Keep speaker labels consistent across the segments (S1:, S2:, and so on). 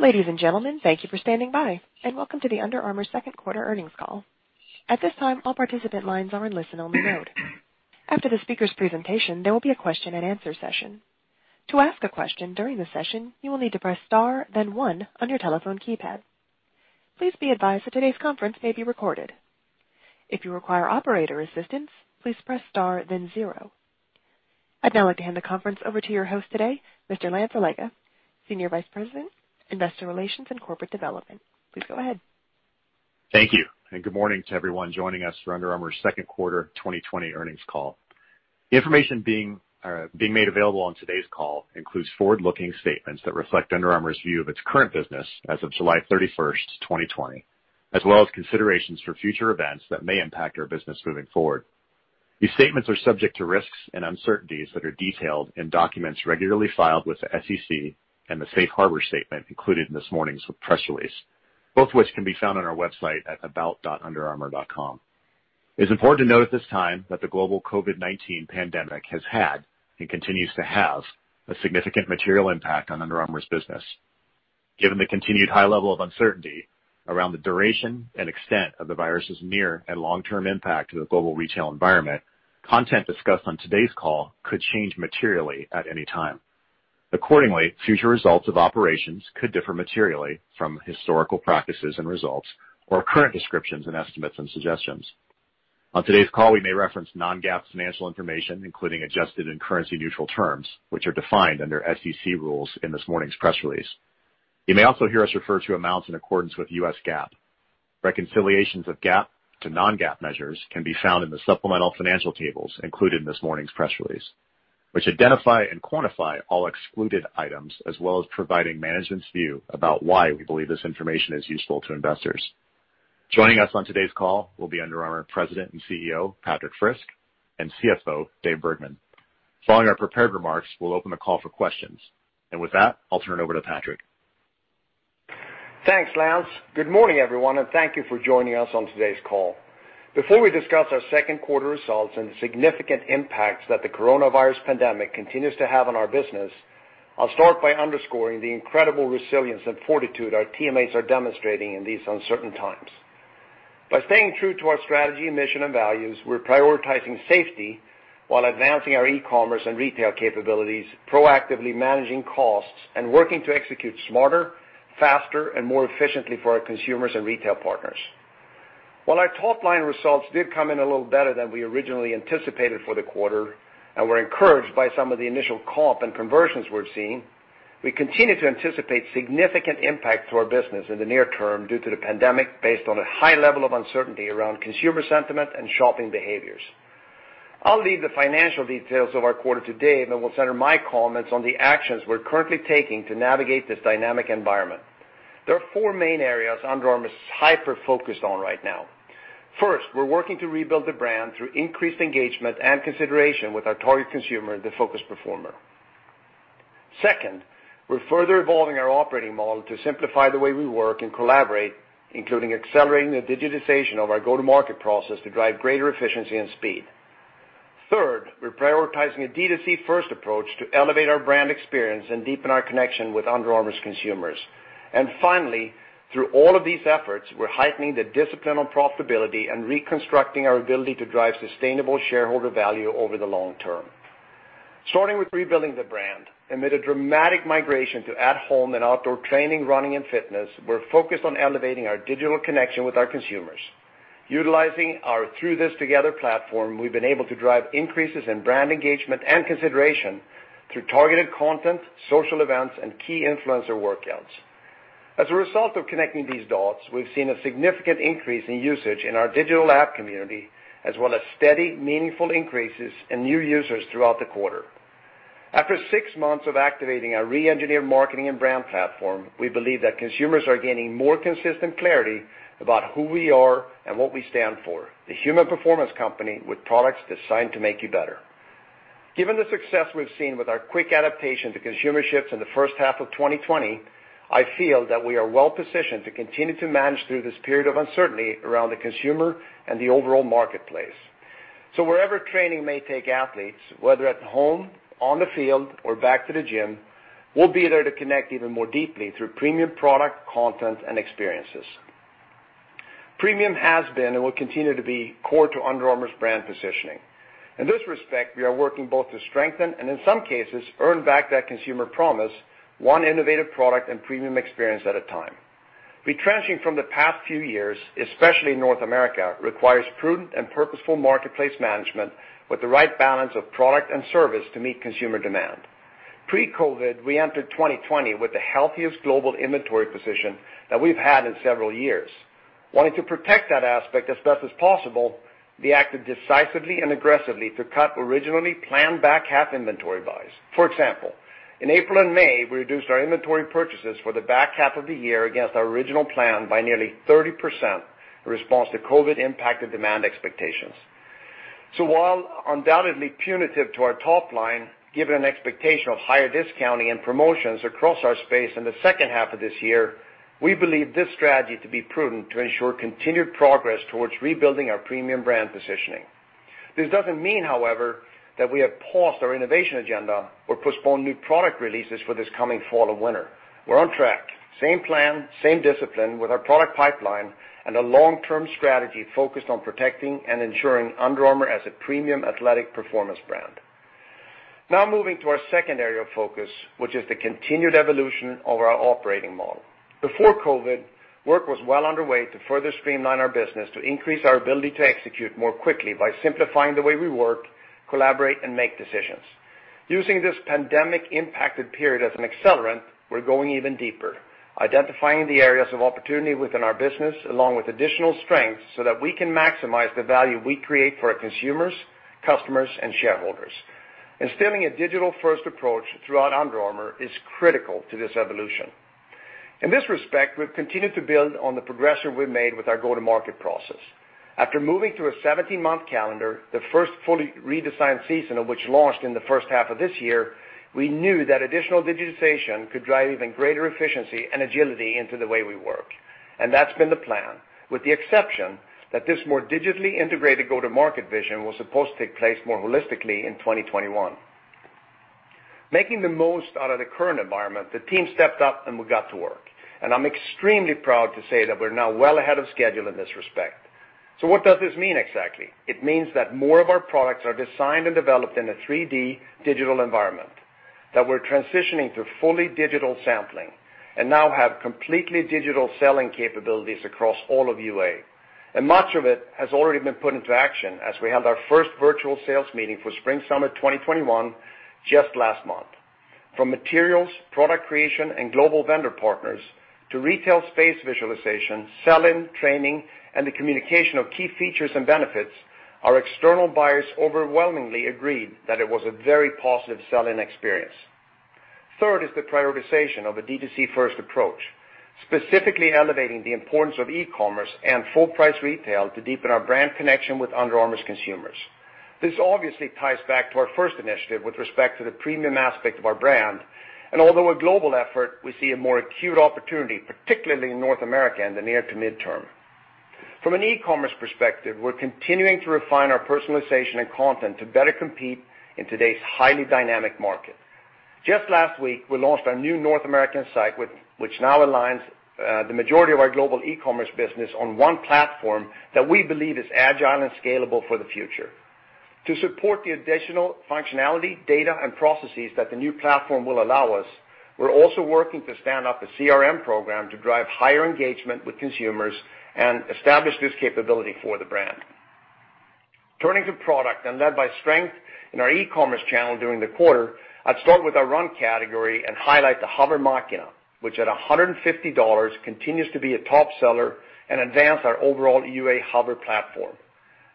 S1: Ladies and gentlemen, thank you for standing by, and welcome to the Under Armour second quarter earnings call. At this time, all participant lines are in listen-only mode. After the speaker's presentation, there will be a question and answer session. To ask a question during the session, you will need to press star then one on your telephone keypad. Please be advised that today's conference may be recorded. If you require operator assistance, please press star then zero. I'd now like to hand the conference over to your host today, Mr. Lance Allega, Senior Vice President, Investor Relations and Corporate Development. Please go ahead.
S2: Thank you, and good morning to everyone joining us for Under Armour's second quarter 2020 earnings call. The information being made available on today's call includes forward-looking statements that reflect Under Armour's view of its current business as of July 31st, 2020, as well as considerations for future events that may impact our business moving forward. These statements are subject to risks and uncertainties that are detailed in documents regularly filed with the SEC and the safe harbor statement included in this morning's press release, both of which can be found on our website at about.underarmour.com. It's important to note at this time that the global COVID-19 pandemic has had, and continues to have, a significant material impact on Under Armour's business. Given the continued high level of uncertainty around the duration and extent of the virus' near and long-term impact to the global retail environment, content discussed on today's call could change materially at any time. Accordingly, future results of operations could differ materially from historical practices and results or current descriptions and estimates and suggestions. On today's call, we may reference non-GAAP financial information, including adjusted and currency-neutral terms, which are defined under SEC rules in this morning's press release. You may also hear us refer to amounts in accordance with U.S. GAAP. Reconciliations of GAAP to non-GAAP measures can be found in the supplemental financial tables included in this morning's press release, which identify and quantify all excluded items, as well as providing management's view about why we believe this information is useful to investors. Joining us on today's call will be Under Armour President and CEO, Patrik Frisk, and CFO, Dave Bergman. Following our prepared remarks, we'll open the call for questions. With that, I'll turn it over to Patrik.
S3: Thanks, Lance. Good morning, everyone, thank you for joining us on today's call. Before we discuss our second quarter results and the significant impacts that the coronavirus pandemic continues to have on our business, I'll start by underscoring the incredible resilience and fortitude our teammates are demonstrating in these uncertain times. By staying true to our strategy, mission, and values, we're prioritizing safety while advancing our e-commerce and retail capabilities, proactively managing costs, and working to execute smarter, faster, and more efficiently for our consumers and retail partners. While our top-line results did come in a little better than we originally anticipated for the quarter, we're encouraged by some of the initial comp and conversions we're seeing, we continue to anticipate significant impact to our business in the near term due to the pandemic based on a high level of uncertainty around consumer sentiment and shopping behaviors. I'll leave the financial details of our quarter to Dave. We'll center my comments on the actions we're currently taking to navigate this dynamic environment. There are four main areas Under Armour is hyper-focused on right now. First, we're working to rebuild the brand through increased engagement and consideration with our target consumer, the focused performer. Second, we're further evolving our operating model to simplify the way we work and collaborate, including accelerating the digitization of our go-to-market process to drive greater efficiency and speed. Third, we're prioritizing a D2C first approach to elevate our brand experience and deepen our connection with Under Armour's consumers. Finally, through all of these efforts, we're heightening the discipline on profitability and reconstructing our ability to drive sustainable shareholder value over the long term. Starting with rebuilding the brand. Amid a dramatic migration to at-home and outdoor training, running, and fitness, we're focused on elevating our digital connection with our consumers. Utilizing our Through This Together platform, we've been able to drive increases in brand engagement and consideration through targeted content, social events, and key influencer workouts. As a result of connecting these dots, we've seen a significant increase in usage in our digital app community, as well as steady, meaningful increases in new users throughout the quarter. After six months of activating our reengineered marketing and brand platform, we believe that consumers are gaining more consistent clarity about who we are and what we stand for, the human performance company with products designed to make you better. Given the success we've seen with our quick adaptation to consumer shifts in the first half of 2020, I feel that we are well-positioned to continue to manage through this period of uncertainty around the consumer and the overall marketplace. Wherever training may take athletes, whether at home, on the field, or back to the gym, we'll be there to connect even more deeply through premium product, content, and experiences. Premium has been and will continue to be core to Under Armour's brand positioning. In this respect, we are working both to strengthen and, in some cases, earn back that consumer promise, one innovative product and premium experience at a time. Retrenching from the past few years, especially in North America, requires prudent and purposeful marketplace management with the right balance of product and service to meet consumer demand. Pre-COVID-19, we entered 2020 with the healthiest global inventory position that we've had in several years. Wanting to protect that aspect as best as possible, we acted decisively and aggressively to cut originally planned back-half inventory buys. For example, in April and May, we reduced our inventory purchases for the back half of the year against our original plan by nearly 30% in response to COVID-19-impacted demand expectations. While undoubtedly punitive to our top line, given an expectation of higher discounting and promotions across our space in the second half of this year, we believe this strategy to be prudent to ensure continued progress towards rebuilding our premium brand positioning. This doesn't mean, however, that we have paused our innovation agenda or postponed new product releases for this coming fall or winter. We're on track, same plan, same discipline with our product pipeline and a long-term strategy focused on protecting and ensuring Under Armour as a premium athletic performance brand. Now moving to our second area of focus, which is the continued evolution of our operating model. Before COVID, work was well underway to further streamline our business to increase our ability to execute more quickly by simplifying the way we work, collaborate, and make decisions. Using this pandemic-impacted period as an accelerant, we're going even deeper, identifying the areas of opportunity within our business, along with additional strengths so that we can maximize the value we create for our consumers, customers, and shareholders. Instilling a digital-first approach throughout Under Armour is critical to this evolution. In this respect, we've continued to build on the progression we've made with our go-to-market process. After moving to a 17-month calendar, the first fully redesigned season of which launched in the first half of this year, we knew that additional digitization could drive even greater efficiency and agility into the way we work. That's been the plan, with the exception that this more digitally integrated go-to-market vision was supposed to take place more holistically in 2021. Making the most out of the current environment, the team stepped up, and we got to work, and I'm extremely proud to say that we're now well ahead of schedule in this respect. What does this mean exactly? It means that more of our products are designed and developed in a 3D digital environment, that we're transitioning to fully digital sampling, and now have completely digital selling capabilities across all of UA. Much of it has already been put into action as we held our first virtual sales meeting for spring/summer 2021 just last month. From materials, product creation, and global vendor partners to retail space visualization, selling, training, and the communication of key features and benefits, our external buyers overwhelmingly agreed that it was a very positive sell-in experience. Third is the prioritization of a D2C first approach, specifically elevating the importance of e-commerce and full-price retail to deepen our brand connection with Under Armour's consumers. This obviously ties back to our first initiative with respect to the premium aspect of our brand, and although a global effort, we see a more acute opportunity, particularly in North America in the near to midterm. From an e-commerce perspective, we're continuing to refine our personalization and content to better compete in today's highly dynamic market. Just last week, we launched our new North American site, which now aligns the majority of our global e-commerce business on one platform that we believe is agile and scalable for the future. To support the additional functionality, data, and processes that the new platform will allow us, we're also working to stand up a CRM program to drive higher engagement with consumers and establish this capability for the brand. Turning to product and led by strength in our e-commerce channel during the quarter, I'd start with our run category and highlight the HOVR Machina, which at $150, continues to be a top seller and advance our overall UA HOVR platform.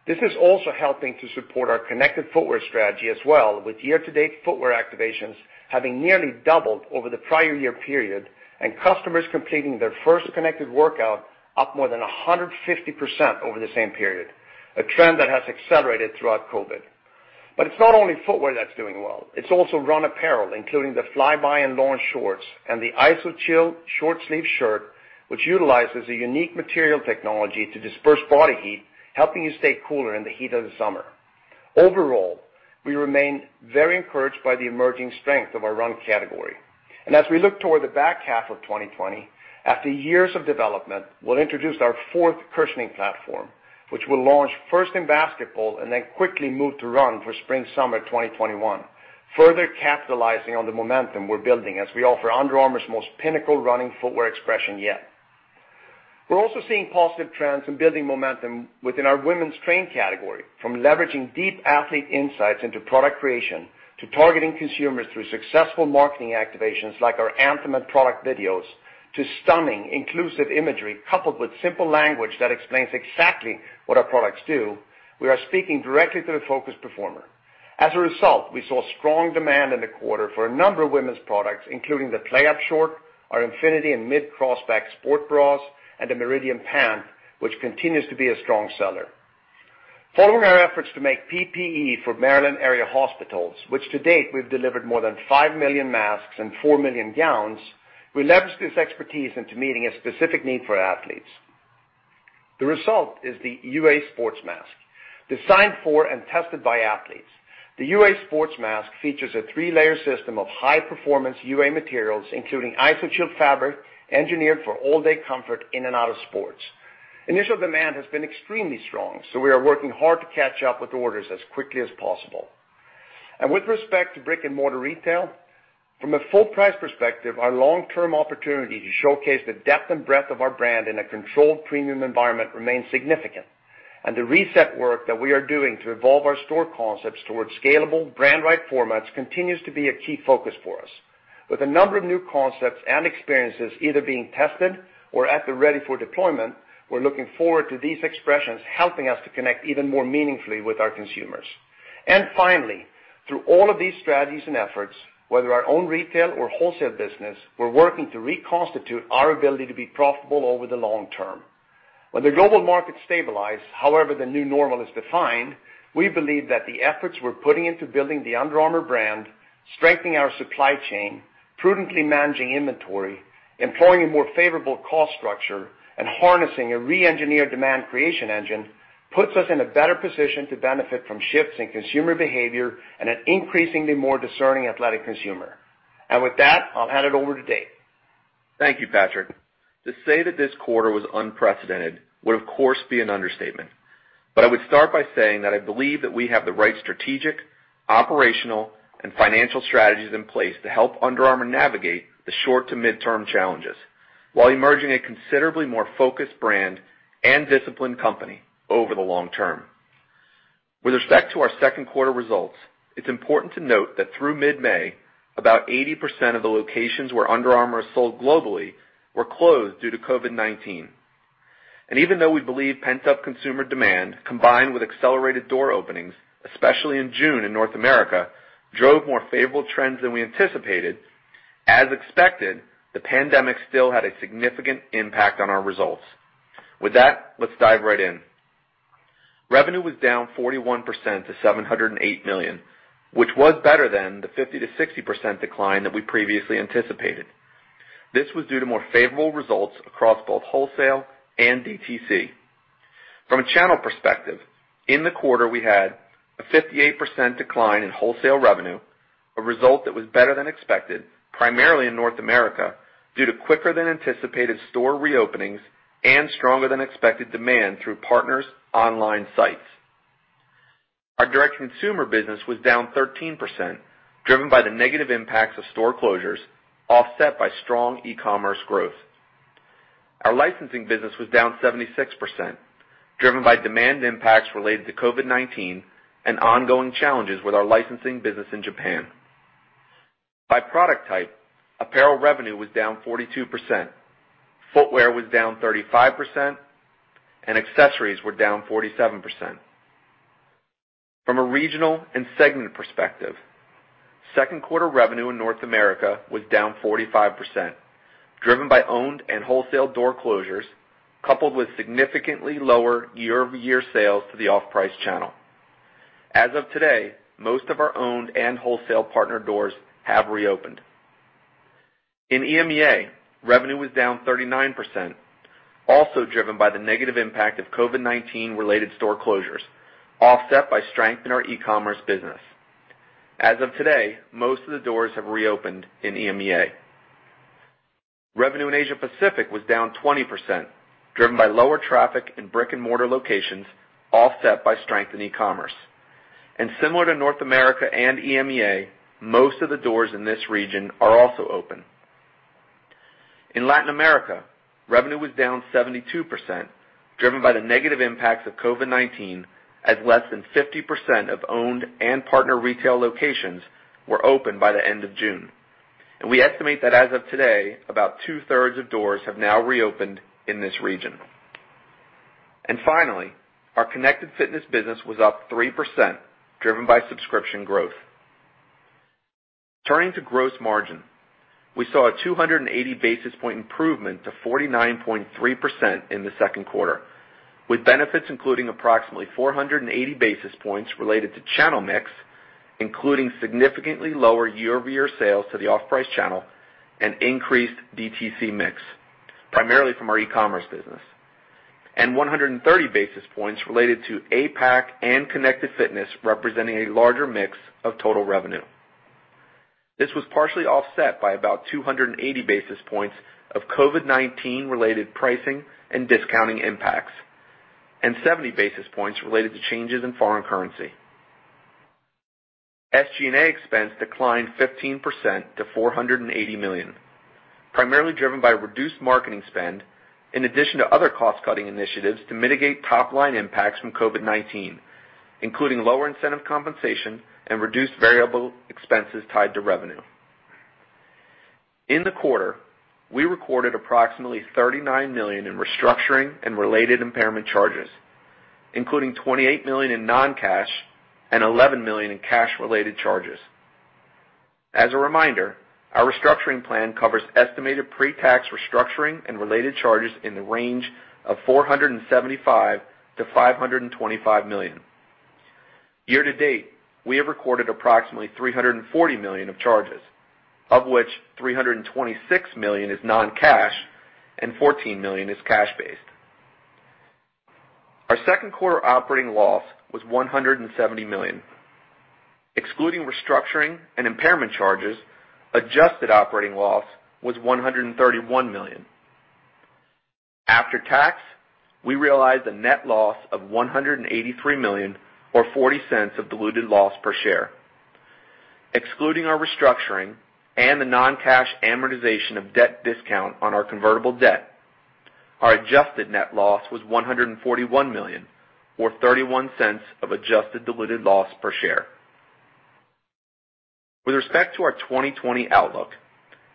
S3: This is also helping to support our connected footwear strategy as well, with year-to-date footwear activations having nearly doubled over the prior year period, and customers completing their first connected workout up more than 150% over the same period, a trend that has accelerated throughout COVID. It's not only footwear that's doing well. It's also run apparel, including the Fly-By and Launch shorts and the Iso-Chill short-sleeve shirt, which utilizes a unique material technology to disperse body heat, helping you stay cooler in the heat of the summer. Overall, we remain very encouraged by the emerging strength of our run category. As we look toward the back half of 2020, after years of development, we will introduce our fourth cushioning platform, which will launch first in basketball and then quickly move to run for spring/summer 2021, further capitalizing on the momentum we are building as we offer Under Armour's most pinnacle running footwear expression yet. We are also seeing positive trends and building momentum within our women's train category. From leveraging deep athlete insights into product creation, to targeting consumers through successful marketing activations like our anthem and product videos, to stunning, inclusive imagery coupled with simple language that explains exactly what our products do, we are speaking directly to the focused performer. As a result, we saw strong demand in the quarter for a number of women's products, including the Play Up Short, our Infinity and Mid Crossback sports bras, and the Meridian Pant, which continues to be a strong seller. Following our efforts to make PPE for Maryland area hospitals, which to date we've delivered more than 5 million masks and 4 million gowns, we leveraged this expertise into meeting a specific need for athletes. The result is the UA SportsMask. Designed for and tested by athletes, the UA SportsMask features a three-layer system of high-performance UA materials, including ISO-Chill fabric, engineered for all-day comfort in and out of sports. Initial demand has been extremely strong, so we are working hard to catch up with orders as quickly as possible. With respect to brick-and-mortar retail, from a full price perspective, our long-term opportunity to showcase the depth and breadth of our brand in a controlled premium environment remains significant, and the reset work that we are doing to evolve our store concepts towards scalable brand-right formats continues to be a key focus for us. With a number of new concepts and experiences either being tested or at the ready for deployment, we're looking forward to these expressions helping us to connect even more meaningfully with our consumers. Finally, through all of these strategies and efforts, whether our own retail or wholesale business, we're working to reconstitute our ability to be profitable over the long term. When the global market stabilize, however the new normal is defined, we believe that the efforts we're putting into building the Under Armour brand. Strengthening our supply chain, prudently managing inventory, employing a more favorable cost structure, and harnessing a re-engineered demand creation engine puts us in a better position to benefit from shifts in consumer behavior and an increasingly more discerning athletic consumer. With that, I'll hand it over to Dave.
S4: Thank you, Patrik. To say that this quarter was unprecedented would, of course, be an understatement. I would start by saying that I believe that we have the right strategic, operational, and financial strategies in place to help Under Armour navigate the short to midterm challenges while emerging a considerably more focused brand and disciplined company over the long term. With respect to our second quarter results, it is important to note that through mid-May, about 80% of the locations where Under Armour is sold globally were closed due to COVID-19. Even though we believe pent-up consumer demand, combined with accelerated door openings, especially in June in North America, drove more favorable trends than we anticipated, as expected, the pandemic still had a significant impact on our results. With that, let's dive right in. Revenue was down 41% to $708 million, which was better than the 50%-60% decline that we previously anticipated. This was due to more favorable results across both wholesale and DTC. From a channel perspective, in the quarter, we had a 58% decline in wholesale revenue, a result that was better than expected, primarily in North America, due to quicker than anticipated store reopenings and stronger than expected demand through partners' online sites. Our direct-to-consumer business was down 13%, driven by the negative impacts of store closures, offset by strong e-commerce growth. Our licensing business was down 76%, driven by demand impacts related to COVID-19 and ongoing challenges with our licensing business in Japan. By product type, apparel revenue was down 42%, footwear was down 35%, and accessories were down 47%. From a regional and segment perspective, second quarter revenue in North America was down 45%, driven by owned and wholesale door closures, coupled with significantly lower year-over-year sales to the off-price channel. As of today, most of our owned and wholesale partner doors have reopened. In EMEA, revenue was down 39%, also driven by the negative impact of COVID-19 related store closures, offset by strength in our e-commerce business. As of today, most of the doors have reopened in EMEA. Revenue in Asia Pacific was down 20%, driven by lower traffic in brick-and-mortar locations, offset by strength in e-commerce. Similar to North America and EMEA, most of the doors in this region are also open. In Latin America, revenue was down 72%, driven by the negative impacts of COVID-19, as less than 50% of owned and partner retail locations were open by the end of June. We estimate that as of today, about two-thirds of doors have now reopened in this region. Finally, our Connected Fitness business was up 3%, driven by subscription growth. Turning to gross margin, we saw a 280-basis point improvement to 49.3% in the second quarter, with benefits including approximately 480 basis points related to channel mix, including significantly lower year-over-year sales to the off-price channel and increased DTC mix, primarily from our e-commerce business, and 130 basis points related to APAC and Connected Fitness representing a larger mix of total revenue. This was partially offset by about 280 basis points of COVID-19 related pricing and discounting impacts and 70 basis points related to changes in foreign currency. SG&A expense declined 15% to $480 million, primarily driven by reduced marketing spend in addition to other cost-cutting initiatives to mitigate top-line impacts from COVID-19, including lower incentive compensation and reduced variable expenses tied to revenue. In the quarter, we recorded approximately $39 million in restructuring and related impairment charges, including $28 million in non-cash and $11 million in cash-related charges. As a reminder, our restructuring plan covers estimated pre-tax restructuring and related charges in the range of $475 million-$525 million. Year-to-date, we have recorded approximately $340 million of charges, of which $326 million is non-cash and $14 million is cash-based. Our second quarter operating loss was $170 million. Excluding restructuring and impairment charges, adjusted operating loss was $131 million. After tax, we realized a net loss of $183 million or $0.40 of diluted loss per share. Excluding our restructuring and the non-cash amortization of debt discount on our convertible debt, our adjusted net loss was $141 million or $0.31 of adjusted diluted loss per share. With respect to our 2020 outlook,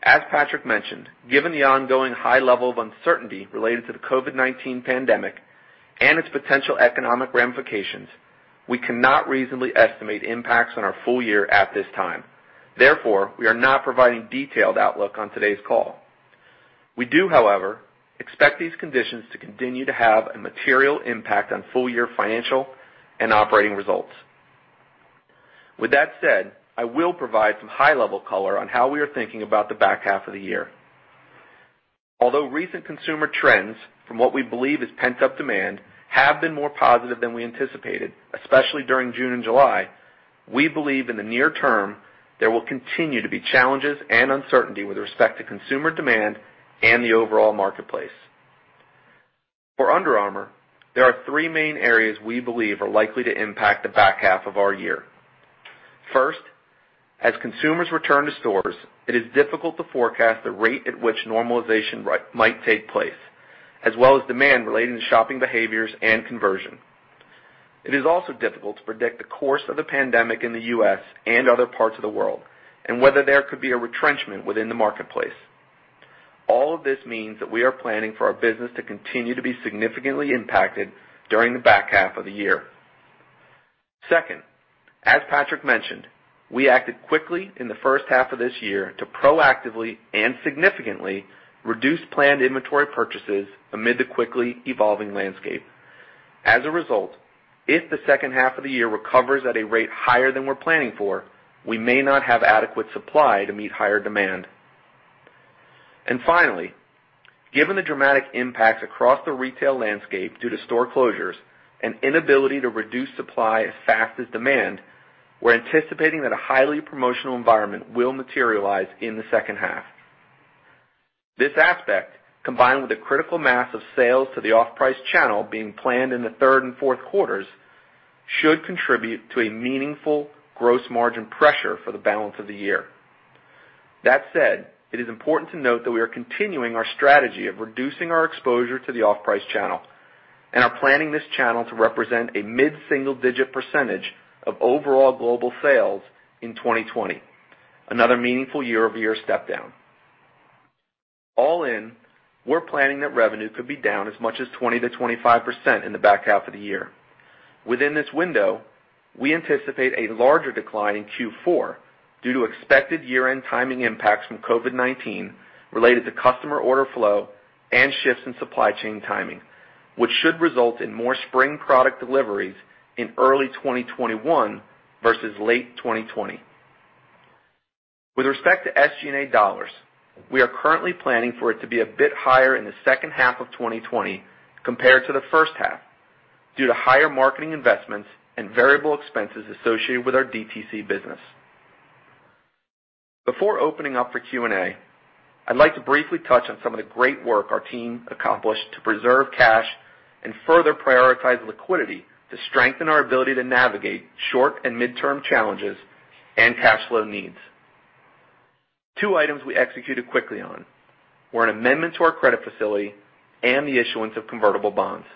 S4: as Patrik mentioned, given the ongoing high level of uncertainty related to the COVID-19 pandemic and its potential economic ramifications, we cannot reasonably estimate impacts on our full year at this time. We are not providing detailed outlook on today's call. We do, however, expect these conditions to continue to have a material impact on full-year financial and operating results. With that said, I will provide some high-level color on how we are thinking about the back half of the year. Although recent consumer trends from what we believe is pent-up demand have been more positive than we anticipated, especially during June and July, we believe in the near term, there will continue to be challenges and uncertainty with respect to consumer demand and the overall marketplace. For Under Armour, there are three main areas we believe are likely to impact the back half of our year. First, as consumers return to stores, it is difficult to forecast the rate at which normalization might take place, as well as demand relating to shopping behaviors and conversion. It is also difficult to predict the course of the pandemic in the U.S. and other parts of the world, and whether there could be a retrenchment within the marketplace. All of this means that we are planning for our business to continue to be significantly impacted during the back half of the year. Second, as Patrik mentioned, we acted quickly in the first half of this year to proactively and significantly reduce planned inventory purchases amid the quickly evolving landscape. As a result, if the second half of the year recovers at a rate higher than we're planning for, we may not have adequate supply to meet higher demand. Finally, given the dramatic impacts across the retail landscape due to store closures and inability to reduce supply as fast as demand, we're anticipating that a highly promotional environment will materialize in the second half. This aspect, combined with a critical mass of sales to the off-price channel being planned in the third and fourth quarters, should contribute to a meaningful gross margin pressure for the balance of the year. That said, it is important to note that we are continuing our strategy of reducing our exposure to the off-price channel and are planning this channel to represent a mid-single-digit percentage of overall global sales in 2020, another meaningful year-over-year step down. All in, we're planning that revenue could be down as much as 20%-25% in the back half of the year. Within this window, we anticipate a larger decline in Q4 due to expected year-end timing impacts from COVID-19 related to customer order flow and shifts in supply chain timing, which should result in more spring product deliveries in early 2021 versus late 2020. With respect to SG&A dollars, we are currently planning for it to be a bit higher in the second half of 2020 compared to the first half due to higher marketing investments and variable expenses associated with our DTC business. Before opening up for Q&A, I'd like to briefly touch on some of the great work our team accomplished to preserve cash and further prioritize liquidity to strengthen our ability to navigate short- and mid-term challenges and cash flow needs. Two items we executed quickly on were an amendment to our credit facility and the issuance of convertible bonds.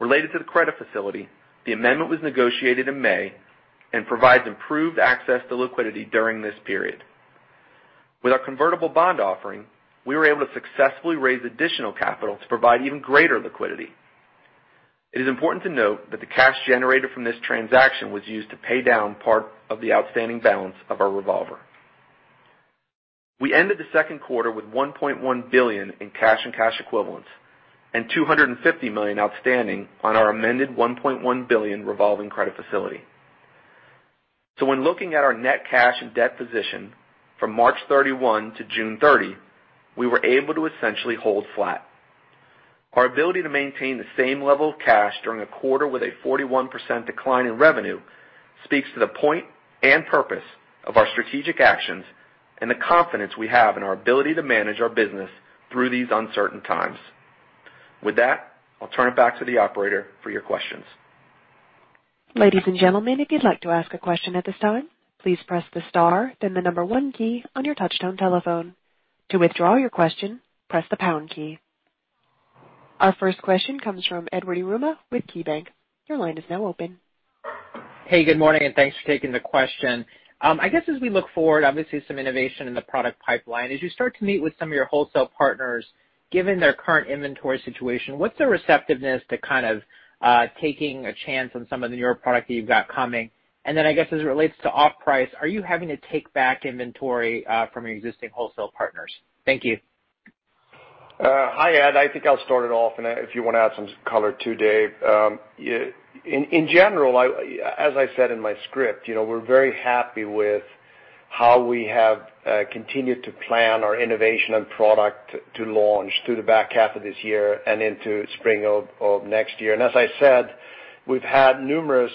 S4: Related to the credit facility, the amendment was negotiated in May and provides improved access to liquidity during this period. With our convertible bond offering, we were able to successfully raise additional capital to provide even greater liquidity. It is important to note that the cash generated from this transaction was used to pay down part of the outstanding balance of our revolver. We ended the second quarter with $1.1 billion in cash and cash equivalents and $250 million outstanding on our amended $1.1 billion revolving credit facility. When looking at our net cash and debt position from March 31 to June 30, we were able to essentially hold flat. Our ability to maintain the same level of cash during a quarter with a 41% decline in revenue speaks to the point and purpose of our strategic actions and the confidence we have in our ability to manage our business through these uncertain times. With that, I'll turn it back to the operator for your questions.
S1: Ladies and gentlemen, if you'd like to ask a question at this time, please press the star then the number one key on your touchtone telephone. To withdraw your question, press the pound key. Our first question comes from Edward Yruma with KeyBanc. Your line is now open.
S5: Hey, good morning. Thanks for taking the question. I guess as we look forward, obviously some innovation in the product pipeline. As you start to meet with some of your wholesale partners, given their current inventory situation, what's the receptiveness to kind of taking a chance on some of the newer product that you've got coming? I guess as it relates to off-price, are you having to take back inventory from your existing wholesale partners? Thank you.
S3: Hi, Ed. I think I'll start it off, and if you want to add some color too, Dave. In general, as I said in my script, we're very happy with how we have continued to plan our innovation and product to launch through the back half of this year and into spring of next year. As I said, we've had numerous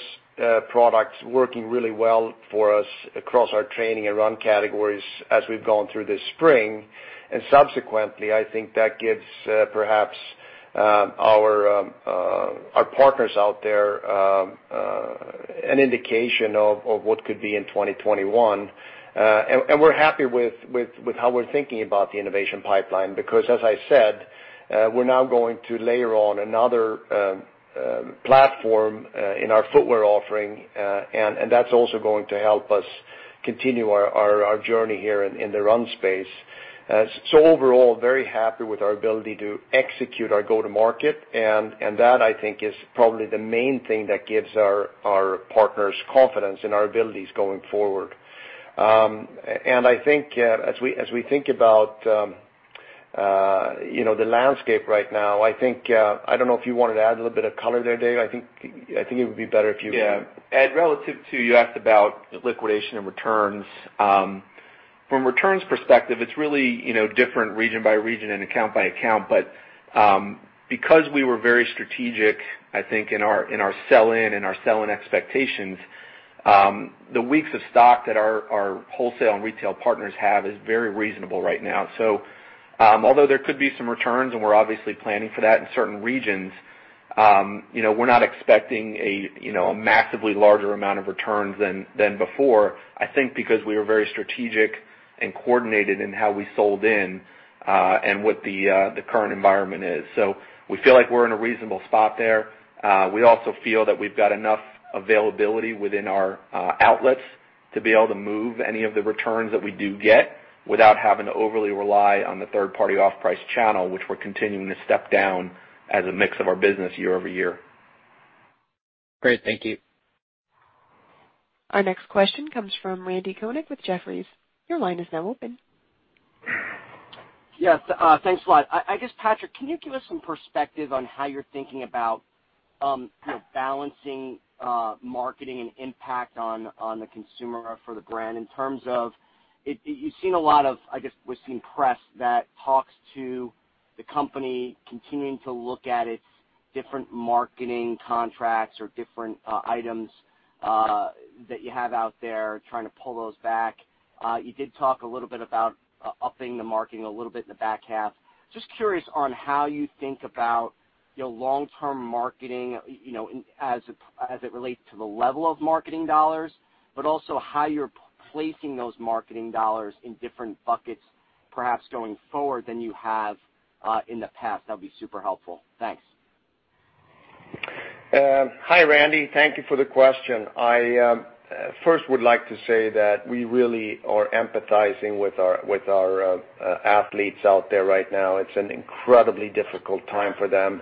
S3: products working really well for us across our training and run categories as we've gone through this spring. Subsequently, I think that gives perhaps our partners out there an indication of what could be in 2021. We're happy with how we're thinking about the innovation pipeline, because as I said, we're now going to layer on another platform in our footwear offering, and that's also going to help us continue our journey here in the run space. Overall, very happy with our ability to execute our go-to-market, that, I think, is probably the main thing that gives our partners confidence in our abilities going forward. I think as we think about The landscape right now, I don't know if you wanted to add a little bit of color there, Dave. I think it would be better if you.
S4: Yeah. Ed, relative to, you asked about liquidation and returns. From returns perspective, it's really different region by region and account by account. Because we were very strategic, I think in our sell-in and our sell-in expectations, the weeks of stock that our wholesale and retail partners have is very reasonable right now. Although there could be some returns, and we're obviously planning for that in certain regions, we're not expecting a massively larger amount of returns than before, I think because we were very strategic and coordinated in how we sold in, and what the current environment is. We feel like we're in a reasonable spot there. We also feel that we've got enough availability within our outlets to be able to move any of the returns that we do get without having to overly rely on the third-party off-price channel, which we're continuing to step down as a mix of our business year-over-year.
S5: Great. Thank you.
S1: Our next question comes from Randy Konik with Jefferies. Your line is now open.
S6: Yes. Thanks a lot. I guess, Patrik, can you give us some perspective on how you're thinking about balancing marketing and impact on the consumer for the brand in terms of, you've seen a lot of, I guess, we've seen press that talks to the company continuing to look at its different marketing contracts or different items that you have out there, trying to pull those back. You did talk a little bit about upping the marketing a little bit in the back half. Just curious on how you think about long-term marketing as it relates to the level of marketing dollars, but also how you're placing those marketing dollars in different buckets, perhaps going forward than you have in the past. That'd be super helpful. Thanks.
S3: Hi, Randy. Thank you for the question. I first would like to say that we really are empathizing with our athletes out there right now. It's an incredibly difficult time for them.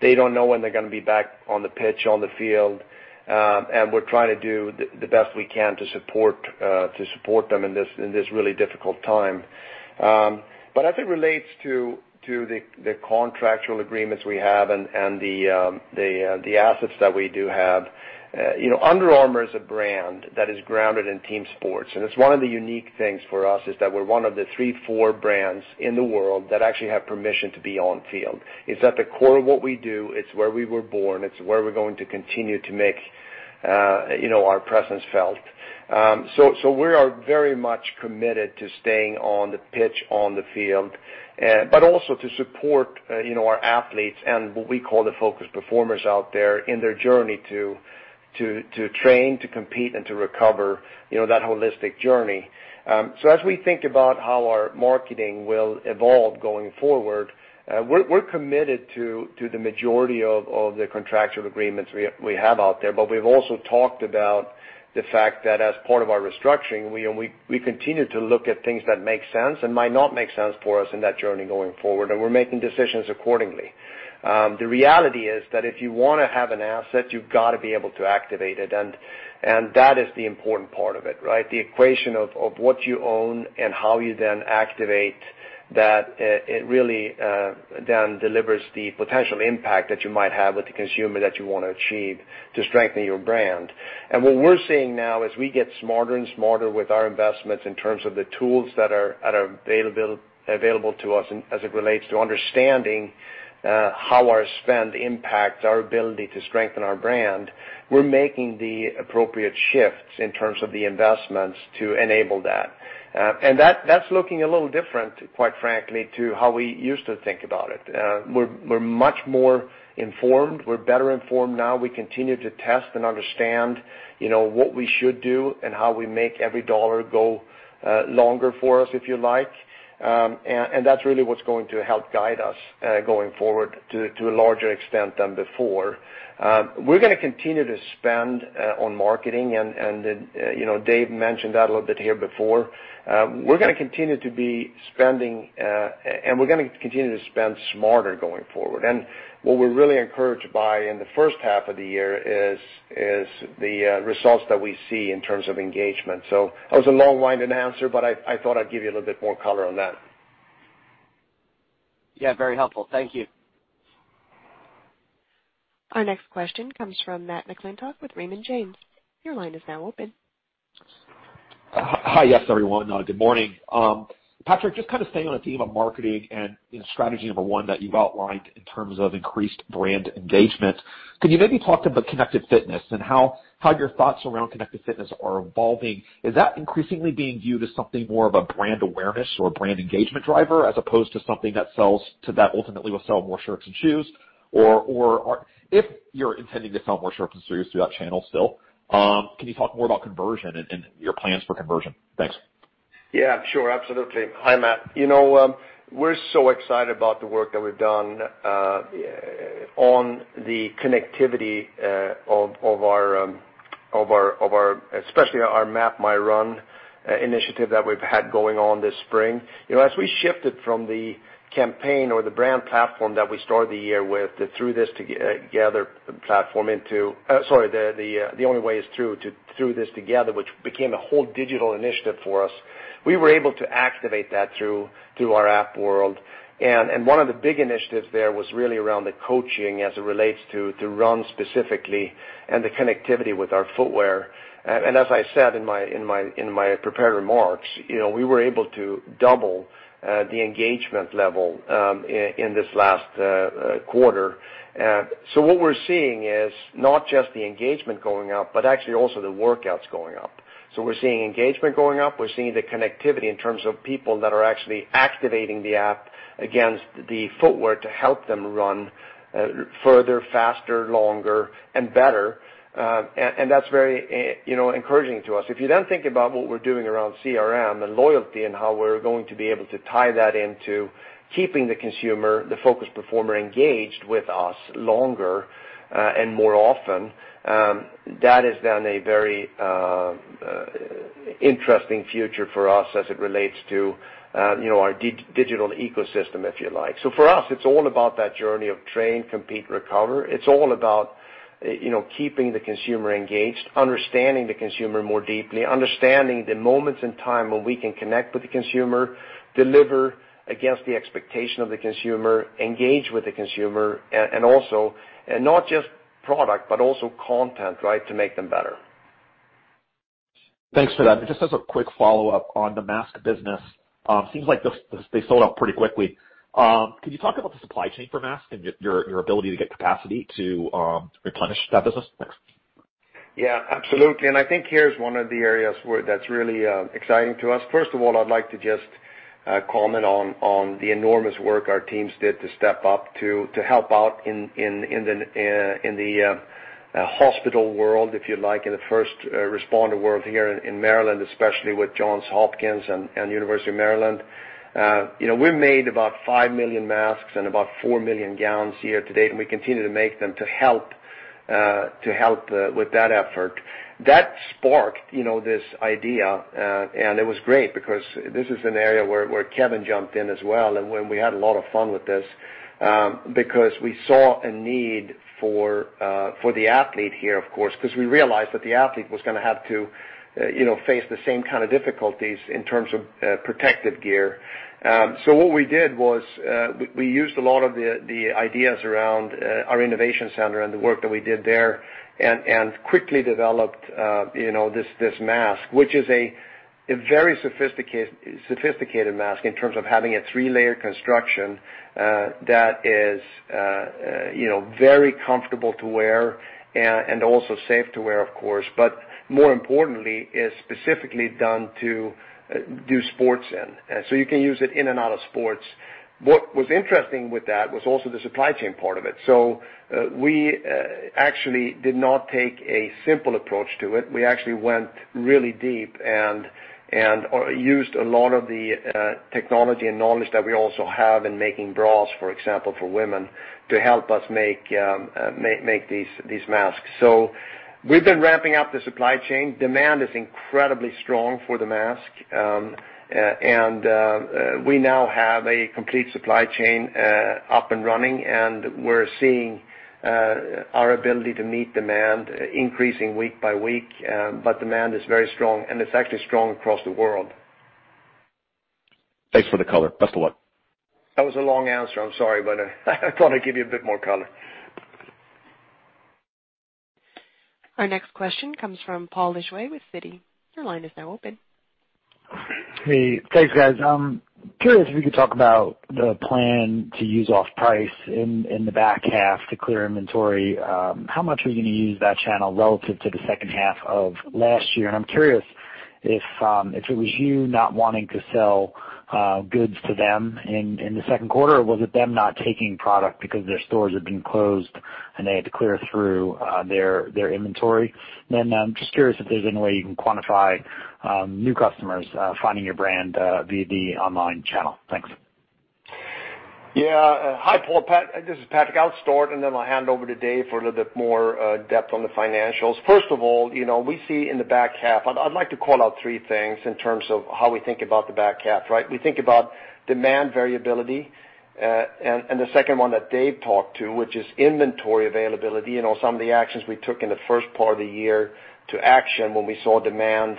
S3: They don't know when they're gonna be back on the pitch, on the field. We're trying to do the best we can to support them in this really difficult time. As it relates to the contractual agreements we have and the assets that we do have, Under Armour is a brand that is grounded in team sports, and it's one of the unique things for us is that we're one of the three, four brands in the world that actually have permission to be on field. It's at the core of what we do. It's where we were born. It's where we're going to continue to make our presence felt. We are very much committed to staying on the pitch, on the field. Also to support our athletes and what we call the focus performers out there in their journey to train, to compete, and to recover. That holistic journey. As we think about how our marketing will evolve going forward, we're committed to the majority of the contractual agreements we have out there, but we've also talked about the fact that as part of our restructuring, we continue to look at things that make sense and might not make sense for us in that journey going forward, and we're making decisions accordingly. The reality is that if you want to have an asset, you've got to be able to activate it, and that is the important part of it, right? The equation of what you own and how you then activate that, it really then delivers the potential impact that you might have with the consumer that you want to achieve to strengthen your brand. What we're seeing now as we get smarter and smarter with our investments in terms of the tools that are available to us and as it relates to understanding how our spend impacts our ability to strengthen our brand, we're making the appropriate shifts in terms of the investments to enable that. That's looking a little different, quite frankly, to how we used to think about it. We're much more informed. We're better informed now. We continue to test and understand what we should do and how we make every dollar go longer for us, if you like. That's really what's going to help guide us going forward to a larger extent than before. We're going to continue to spend on marketing, and Dave mentioned that a little bit here before. We're going to continue to be spending, and we're going to continue to spend smarter going forward. What we're really encouraged by in the first half of the year is the results that we see in terms of engagement. That was a long-winded answer, but I thought I'd give you a little bit more color on that.
S6: Yeah, very helpful. Thank you.
S1: Our next question comes from Matt McClintock with Raymond James. Your line is now open.
S7: Hi. Yes, everyone. Good morning. Patrik, just kind of staying on the theme of marketing and strategy number one that you've outlined in terms of increased brand engagement, can you maybe talk about Connected Fitness and how your thoughts around Connected Fitness are evolving? Is that increasingly being viewed as something more of a brand awareness or brand engagement driver as opposed to something that ultimately will sell more shirts and shoes? Or if you're intending to sell more shirts and shoes through that channel still, can you talk more about conversion and your plans for conversion? Thanks.
S3: Yeah. Sure. Absolutely. Hi, Matt. We're so excited about the work that we've done on the connectivity of our, especially our MapMyRun initiative that we've had going on this spring. As we shifted from the campaign or the brand platform that we started the year with, sorry, The Only Way Is Through to Through This Together, which became a whole digital initiative for us. We were able to activate that through our app world. One of the big initiatives there was really around the coaching as it relates to run specifically and the connectivity with our footwear. As I said in my prepared remarks, we were able to double the engagement level in this last quarter. What we're seeing is not just the engagement going up, but actually also the workouts going up. We're seeing engagement going up. We're seeing the connectivity in terms of people that are actually activating the app against the footwear to help them run further, faster, longer and better. That's very encouraging to us. If you think about what we're doing around CRM and loyalty and how we're going to be able to tie that into keeping the consumer, the focused performer, engaged with us longer and more often, that is then a very interesting future for us as it relates to our digital ecosystem, if you like. For us, it's all about that journey of train, compete, recover. It's all about keeping the consumer engaged, understanding the consumer more deeply, understanding the moments in time when we can connect with the consumer, deliver against the expectation of the consumer, engage with the consumer and also not just product, but also content to make them better.
S7: Thanks for that. Just as a quick follow-up on the mask business. Seems like they sold out pretty quickly. Can you talk about the supply chain for masks and your ability to get capacity to replenish that business? Thanks.
S3: Yeah, absolutely. I think here's one of the areas where that's really exciting to us. First of all, I'd like to just comment on the enormous work our teams did to step up to help out in the hospital world, if you like, in the first responder world here in Maryland, especially with Johns Hopkins and University of Maryland. We made about 5 million masks and about 4 million gowns here to date, and we continue to make them to help with that effort. That sparked this idea, and it was great because this is an area where Kevin jumped in as well. When we had a lot of fun with this, because we saw a need for the athlete here, of course, because we realized that the athlete was going to have to face the same kind of difficulties in terms of protective gear. What we did was, we used a lot of the ideas around our innovation center and the work that we did there and quickly developed this mask, which is a very sophisticated mask in terms of having a three-layer construction that is very comfortable to wear and also safe to wear, of course. More importantly, is specifically done to do sports in. You can use it in and out of sports. What was interesting with that was also the supply chain part of it. We actually did not take a simple approach to it. We actually went really deep and used a lot of the technology and knowledge that we also have in making bras, for example, for women to help us make these masks. We've been ramping up the supply chain. Demand is incredibly strong for the mask. We now have a complete supply chain up and running, and we're seeing our ability to meet demand increasing week by week. Demand is very strong, and it's actually strong across the world.
S7: Thanks for the color. Best of luck.
S3: That was a long answer, I'm sorry, but I want to give you a bit more color.
S1: Our next question comes from Paul Lejuez with Citi. Your line is now open.
S8: Hey. Thanks, guys. Curious if you could talk about the plan to use off-price in the back half to clear inventory. How much are you going to use that channel relative to the second half of last year? I'm curious if it was you not wanting to sell goods to them in the second quarter, or was it them not taking product because their stores had been closed and they had to clear through their inventory? I'm just curious if there's any way you can quantify new customers finding your brand via the online channel. Thanks.
S3: Yeah. Hi, Paul. This is Patrik. I'll start, and then I'll hand over to Dave for a little bit more depth on the financials. First of all, we see in the back half, I'd like to call out three things in terms of how we think about the back half, right? We think about demand variability, and the second one that Dave talked to, which is inventory availability, some of the actions we took in the first part of the year to action when we saw demand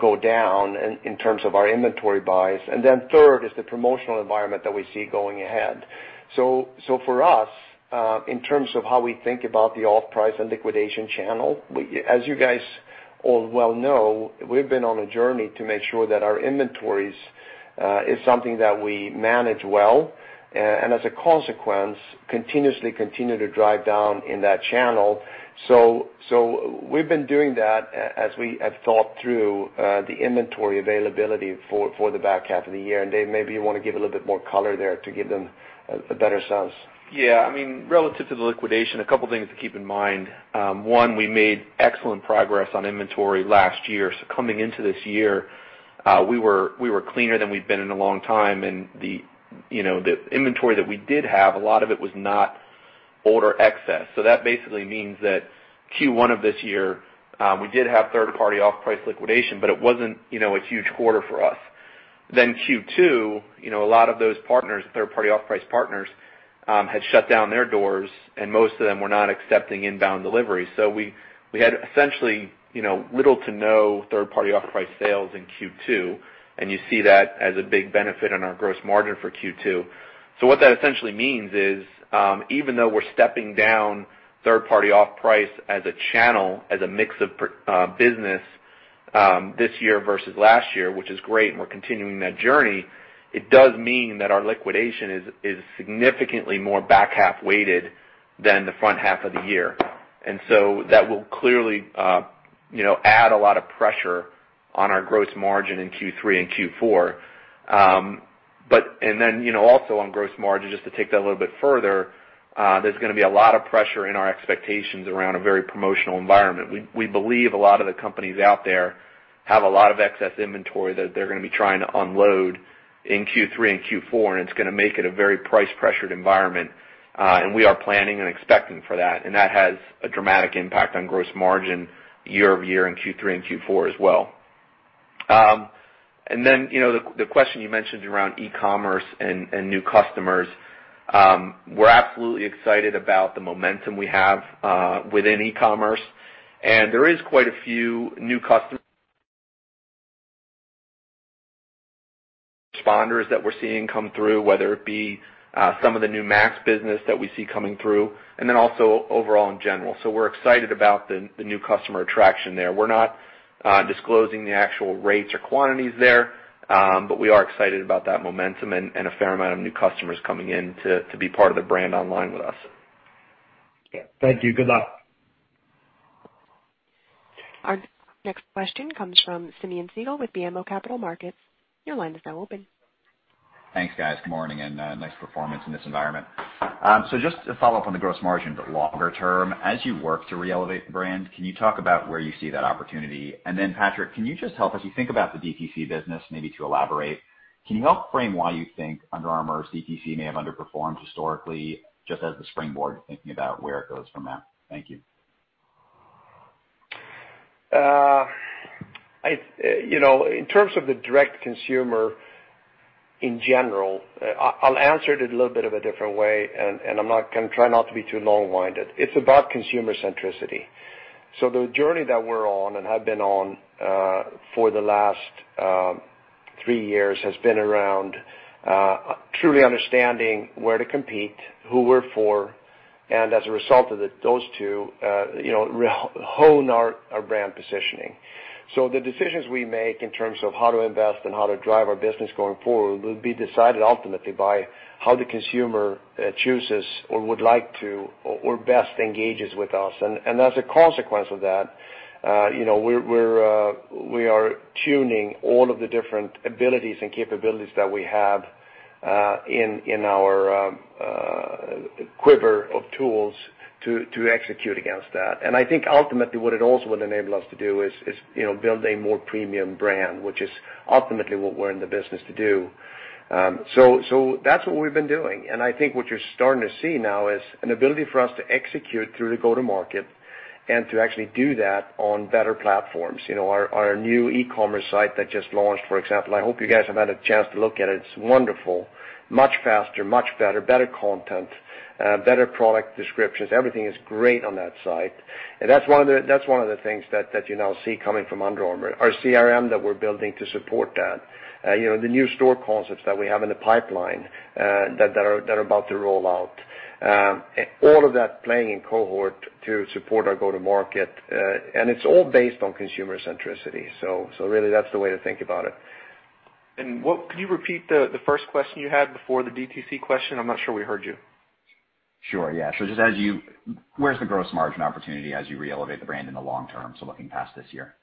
S3: go down in terms of our inventory buys. Third is the promotional environment that we see going ahead. For us, in terms of how we think about the off-price and liquidation channel, as you guys all well know, we've been on a journey to make sure that our inventories is something that we manage well and as a consequence, continuously continue to drive down in that channel. We've been doing that as we have thought through the inventory availability for the back half of the year. Dave, maybe you want to give a little bit more color there to give them a better sense.
S4: Yeah. Relative to the liquidation, a couple things to keep in mind. One, we made excellent progress on inventory last year. Coming into this year, we were cleaner than we’ve been in a long time. The inventory that we did have, a lot of it was not order excess. That basically means that Q1 of this year, we did have third party off-price liquidation, but it wasn’t a huge quarter for us. Q2, a lot of those third party off-price partners had shut down their doors, and most of them were not accepting inbound deliveries. We had essentially, little to no third party off-price sales in Q2, and you see that as a big benefit on our gross margin for Q2. What that essentially means is, even though we're stepping down third party off-price as a channel, as a mix of business this year versus last year, which is great, and we're continuing that journey, it does mean that our liquidation is significantly more back-half weighted than the front half of the year. That will clearly add a lot of pressure on our gross margin in Q3 and Q4. Also on gross margin, just to take that a little bit further, there's going to be a lot of pressure in our expectations around a very promotional environment. We believe a lot of the companies out there have a lot of excess inventory that they're going to be trying to unload in Q3 and Q4, and it's going to make it a very price pressured environment. We are planning and expecting for that. That has a dramatic impact on gross margin year-over-year in Q3 and Q4 as well. Then, the question you mentioned around e-commerce and new customers. We're absolutely excited about the momentum we have within e-commerce. There is quite a few new customers responders that we're seeing come through, whether it be some of the new mask business that we see coming through, and then also overall in general. We're excited about the new customer attraction there. We're not disclosing the actual rates or quantities there. We are excited about that momentum and a fair amount of new customers coming in to be part of the brand online with us.
S8: Thank you. Good luck.
S1: Our next question comes from Simeon Siegel with BMO Capital Markets. Your line is now open.
S9: Thanks, guys. Good morning, and nice performance in this environment. Just to follow up on the gross margin, but longer term, as you work to re-elevate the brand, can you talk about where you see that opportunity? Then Patrik, can you just help us, you think about the DTC business, maybe to elaborate, can you help frame why you think Under Armour's DTC may have underperformed historically, just as the springboard to thinking about where it goes from there? Thank you.
S3: In terms of the direct consumer in general, I'll answer it a little bit of a different way, and I'm going to try not to be too long-winded. It's about consumer centricity. The journey that we're on and have been on for the last three years has been around truly understanding where to compete, who we're for, and as a result of those two, hone our brand positioning. The decisions we make in terms of how to invest and how to drive our business going forward will be decided ultimately by how the consumer chooses or would like to or best engages with us. As a consequence of that, we are tuning all of the different abilities and capabilities that we have in our quiver of tools to execute against that. I think ultimately what it also would enable us to do is build a more premium brand, which is ultimately what we're in the business to do. That's what we've been doing. I think what you're starting to see now is an ability for us to execute through the go-to-market and to actually do that on better platforms. Our new e-commerce site that just launched, for example. I hope you guys have had a chance to look at it. It's wonderful. Much faster, much better content, better product descriptions. Everything is great on that site. That's one of the things that you now see coming from Under Armour. Our CRM that we're building to support that. The new store concepts that we have in the pipeline that are about to roll out. All of that playing in cohort to support our go-to-market. It's all based on consumer centricity. Really, that's the way to think about it.
S4: Could you repeat the first question you had before the DTC question? I'm not sure we heard you.
S9: Sure. Yeah. Just where's the gross margin opportunity as you re-elevate the brand in the long term, looking past this year?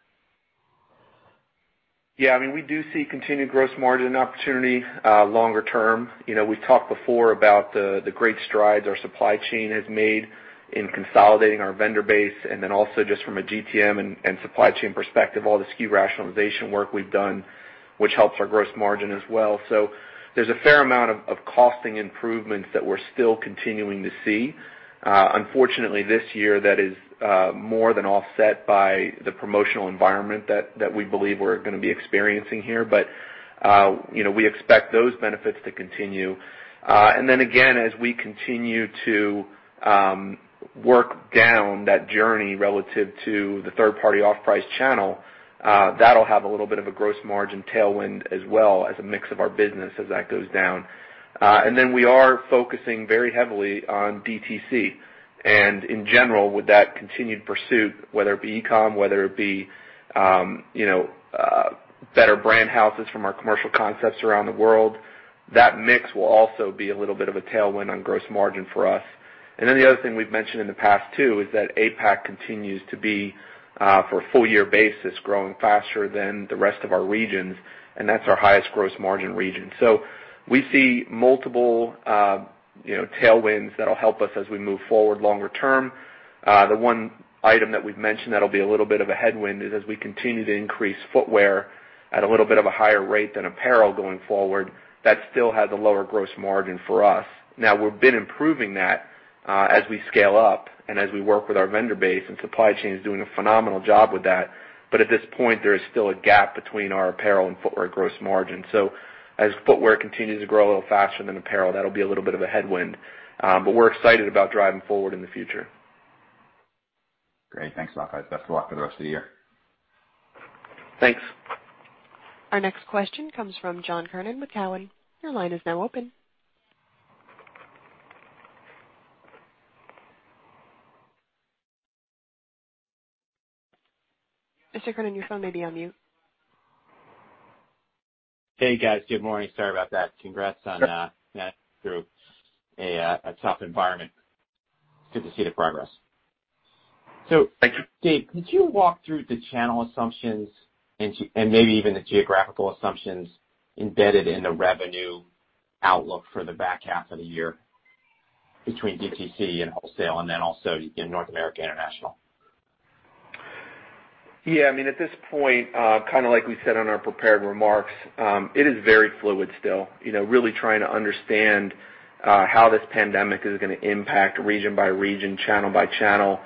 S4: I mean, we do see continued gross margin opportunity longer term. We've talked before about the great strides our supply chain has made in consolidating our vendor base, and then also just from a GTM and supply chain perspective, all the SKU rationalization work we've done, which helps our gross margin as well. There's a fair amount of costing improvements that we're still continuing to see. Unfortunately, this year, that is more than offset by the promotional environment that we believe we're going to be experiencing here. We expect those benefits to continue. Again, as we continue to work down that journey relative to the third party off-price channel, that'll have a little bit of a gross margin tailwind as well as a mix of our business as that goes down. We are focusing very heavily on DTC. In general, with that continued pursuit, whether it be e-com, whether it be better brand houses from our commercial concepts around the world, that mix will also be a little bit of a tailwind on gross margin for us. The other thing we've mentioned in the past too is that APAC continues to be, for a full year basis, growing faster than the rest of our regions, and that's our highest gross margin region. We see multiple tailwinds that'll help us as we move forward longer term. The one item that we've mentioned that'll be a little bit of a headwind is as we continue to increase footwear at a little bit of a higher rate than apparel going forward, that still has a lower gross margin for us. We've been improving that as we scale up and as we work with our vendor base, and supply chain is doing a phenomenal job with that. At this point, there is still a gap between our apparel and footwear gross margin. As footwear continues to grow a little faster than apparel, that'll be a little bit of a headwind. We're excited about driving forward in the future.
S9: Great. Thanks, guys. Best of luck for the rest of the year.
S4: Thanks.
S1: Our next question comes from John Kernan with Cowen. Your line is now open. Mr. Kernan, your phone may be on mute.
S10: Hey, guys. Good morning. Sorry about that.
S4: Sure
S10: Getting through a tough environment. It's good to see the progress.
S4: Thank you.
S10: Dave, could you walk through the channel assumptions and maybe even the geographical assumptions embedded in the revenue outlook for the back half of the year between DTC and wholesale, and then also in North America, international?
S4: Yeah. At this point, like we said on our prepared remarks, it is very fluid still. Really trying to understand, how this pandemic is going to impact region by region, channel by channel,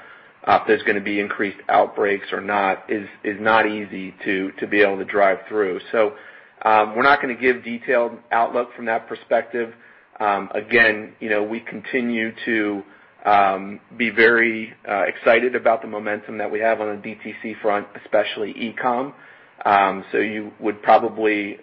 S4: if there's going to be increased outbreaks or not, is not easy to be able to drive through. We're not going to give detailed outlook from that perspective. Again, we continue to be very excited about the momentum that we have on the DTC front, especially e-com. It's probably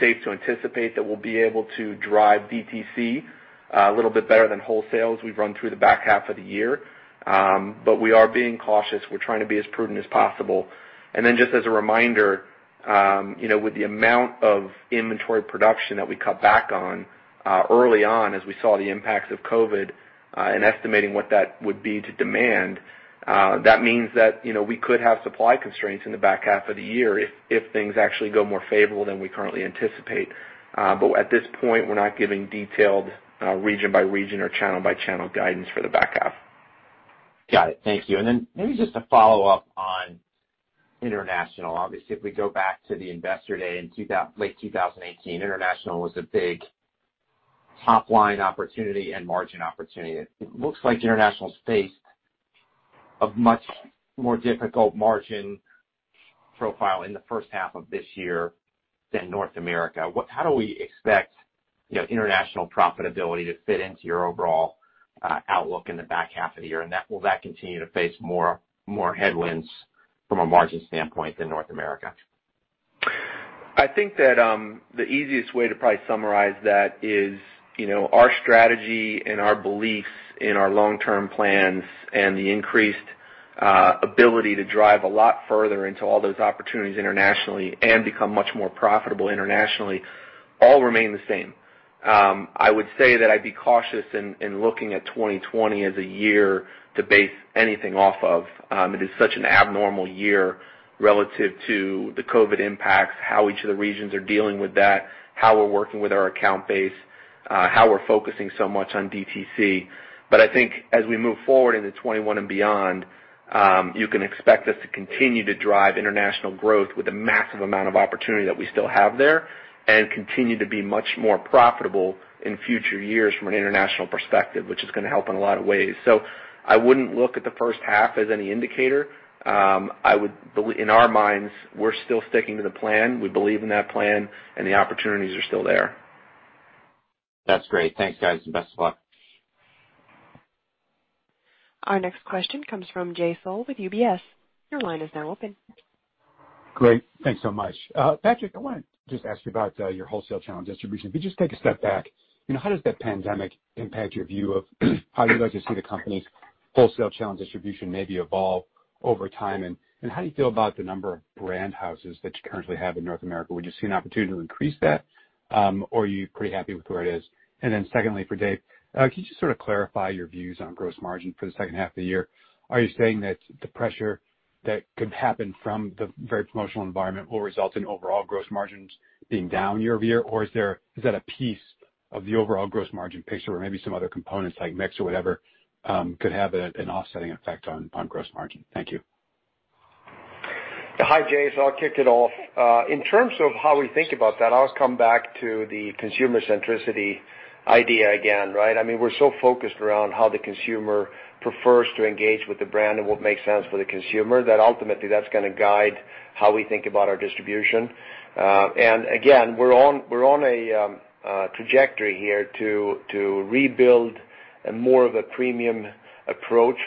S4: safe to anticipate that we'll be able to drive DTC a little bit better than wholesale as we run through the back half of the year. We are being cautious. We're trying to be as prudent as possible. Just as a reminder, with the amount of inventory production that we cut back on early on as we saw the impacts of COVID, and estimating what that would be to demand, that means that we could have supply constraints in the back half of the year if things actually go more favorable than we currently anticipate. At this point, we're not giving detailed region by region or channel by channel guidance for the back half.
S10: Got it. Thank you. Maybe just to follow up on international. Obviously, if we go back to the investor day in late 2018, international was a big top-line opportunity and margin opportunity. It looks like international's faced a much more difficult margin profile in the first half of this year than North America. How do we expect international profitability to fit into your overall outlook in the back half of the year, and will that continue to face more headwinds from a margin standpoint than North America?
S4: I think that, the easiest way to probably summarize that is our strategy and our beliefs in our long-term plans and the increased ability to drive a lot further into all those opportunities internationally and become much more profitable internationally, all remain the same. I would say that I'd be cautious in looking at 2020 as a year to base anything off of. It is such an abnormal year relative to the COVID-19 impacts, how each of the regions are dealing with that, how we're working with our account base, how we're focusing so much on DTC. I think as we move forward into 2021 and beyond, you can expect us to continue to drive international growth with the massive amount of opportunity that we still have there and continue to be much more profitable in future years from an international perspective, which is going to help in a lot of ways. I wouldn't look at the first half as any indicator. In our minds, we're still sticking to the plan. We believe in that plan, and the opportunities are still there.
S10: That's great. Thanks, guys, and best of luck.
S1: Our next question comes from Jay Sole with UBS. Your line is now open.
S11: Great. Thanks so much. Patrik, I want to just ask you about your wholesale channel distribution. Could you just take a step back? How does the pandemic impact your view of how you'd like to see the company's wholesale channel distribution maybe evolve over time? How do you feel about the number of brand houses that you currently have in North America? Would you see an opportunity to increase that, or are you pretty happy with where it is? Secondly, for Dave, can you just sort of clarify your views on gross margin for the second half of the year? Are you saying that the pressure that could happen from the very promotional environment will result in overall gross margins being down year-over-year, or is that a piece of the overall gross margin picture or maybe some other components like mix or whatever could have an offsetting effect on gross margin? Thank you.
S3: Hi, Jay. I'll kick it off. In terms of how we think about that, I'll just come back to the consumer centricity idea again, right? We're so focused around how the consumer prefers to engage with the brand and what makes sense for the consumer, that ultimately that's going to guide how we think about our distribution. Again, we're on a trajectory here to rebuild a more of a premium approach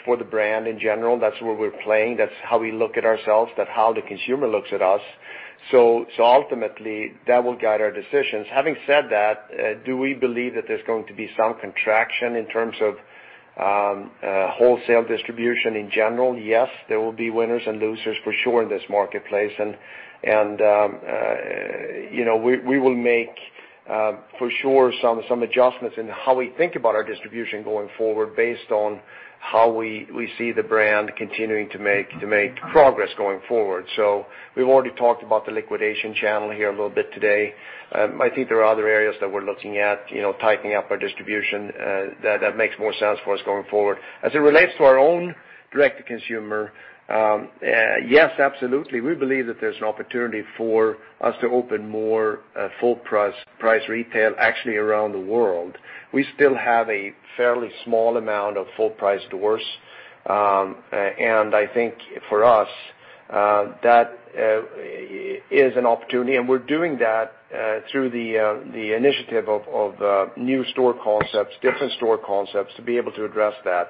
S3: for the brand in general. That's where we're playing. That's how we look at ourselves. That's how the consumer looks at us. Ultimately, that will guide our decisions. Having said that, do we believe that there's going to be some contraction in terms of wholesale distribution in general? Yes. There will be winners and losers for sure in this marketplace. We will make For sure some adjustments in how we think about our distribution going forward based on how we see the brand continuing to make progress going forward. We've already talked about the liquidation channel here a little bit today. I think there are other areas that we're looking at, tightening up our distribution, that makes more sense for us going forward. As it relates to our own direct-to-consumer, yes, absolutely. We believe that there's an opportunity for us to open more full price retail, actually around the world. We still have a fairly small amount of full price doors. I think for us, that is an opportunity, and we're doing that through the initiative of new store concepts, different store concepts to be able to address that.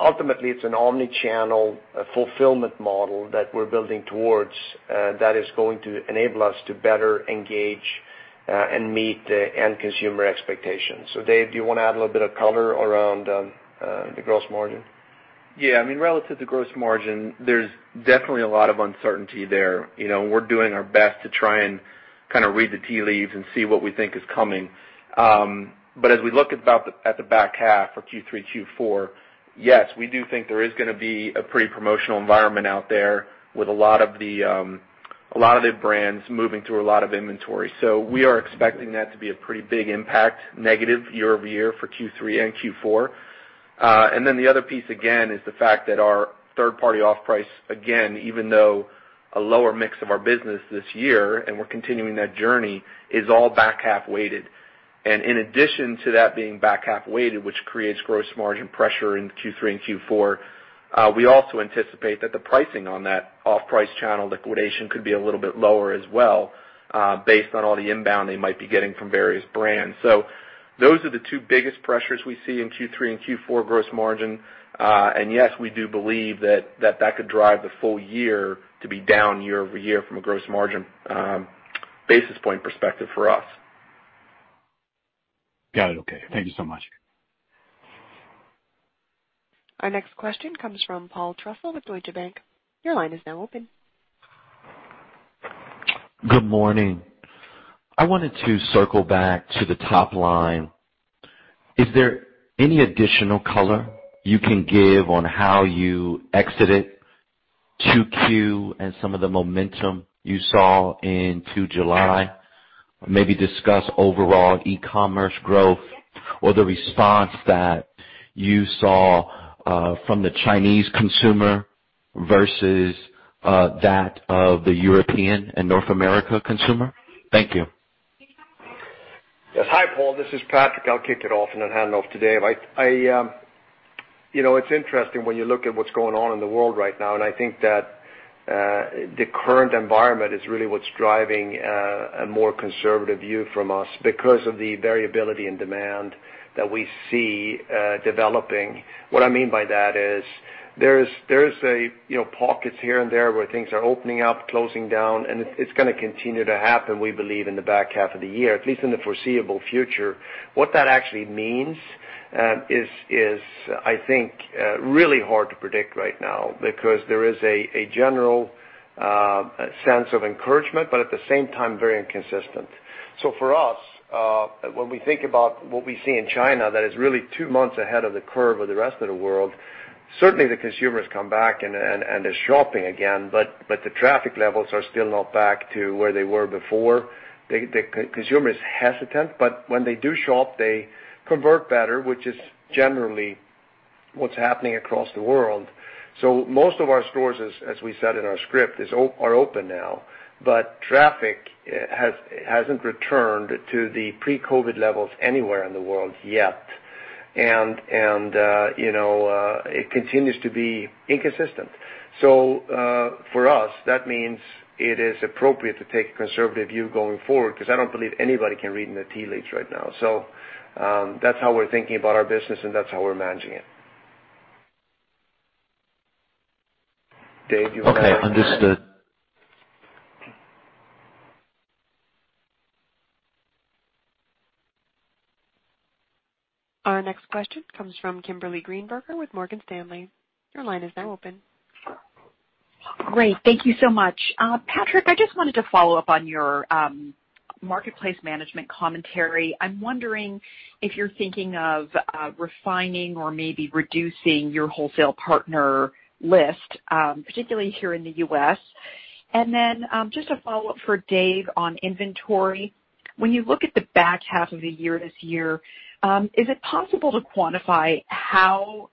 S3: Ultimately, it's an omni-channel fulfillment model that we're building towards, that is going to enable us to better engage, and meet the end consumer expectations. Dave, do you want to add a little bit of color around the gross margin?
S4: Yeah. Relative to gross margin, there's definitely a lot of uncertainty there. We're doing our best to try and read the tea leaves and see what we think is coming. As we look at the back half for Q3, Q4, yes, we do think there is going to be a pretty promotional environment out there with a lot of the brands moving through a lot of inventory. We are expecting that to be a pretty big impact, negative year-over-year for Q3 and Q4. The other piece again, is the fact that our third-party off-price, again, even though a lower mix of our business this year, and we're continuing that journey, is all back half weighted. In addition to that being back half weighted, which creates gross margin pressure in Q3 and Q4, we also anticipate that the pricing on that off-price channel liquidation could be a little bit lower as well, based on all the inbound they might be getting from various brands. Those are the two biggest pressures we see in Q3 and Q4 gross margin. Yes, we do believe that that could drive the full year to be down year-over-year from a gross margin basis point perspective for us.
S11: Got it. Okay. Thank you so much.
S1: Our next question comes from Paul Trussell with Deutsche Bank. Your line is now open.
S12: Good morning. I wanted to circle back to the top line. Is there any additional color you can give on how you exited 2Q and some of the momentum you saw into July? Or maybe discuss overall e-commerce growth or the response that you saw from the Chinese consumer versus that of the European and North America consumer. Thank you.
S3: Yes. Hi, Paul. This is Patrik. I'll kick it off and then hand off to Dave. It's interesting when you look at what's going on in the world right now, and I think that the current environment is really what's driving a more conservative view from us because of the variability in demand that we see developing. What I mean by that is there's pockets here and there where things are opening up, closing down, and it's going to continue to happen, we believe in the back half of the year, at least in the foreseeable future. What that actually means is I think really hard to predict right now because there is a general sense of encouragement, but at the same time, very inconsistent. For us, when we think about what we see in China, that is really two months ahead of the curve of the rest of the world. Certainly, the consumers come back and are shopping again, but the traffic levels are still not back to where they were before. The consumer is hesitant, but when they do shop, they convert better, which is generally what's happening across the world. Most of our stores, as we said in our script, are open now, but traffic hasn't returned to the pre-COVID levels anywhere in the world yet. It continues to be inconsistent. For us, that means it is appropriate to take a conservative view going forward because I don't believe anybody can read the tea leaves right now. That's how we're thinking about our business and that's how we're managing it. Dave, you want to add on that?
S12: Okay. Understood.
S1: Our next question comes from Kimberly Greenberger with Morgan Stanley. Your line is now open.
S13: Great. Thank you so much. Patrik, I just wanted to follow up on your marketplace management commentary. I'm wondering if you're thinking of refining or maybe reducing your wholesale partner list, particularly here in the U.S. Just a follow-up for Dave on inventory. When you look at the back half of the year this year, is it possible to quantify how